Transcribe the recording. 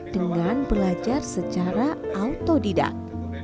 dengan belajar secara autodidak